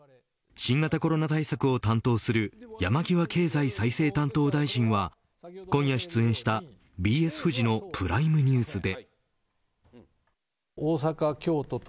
新型コロナ対策を担当する山際経済再生担当大臣は今夜出演したＢＳフジのプライムニュースで。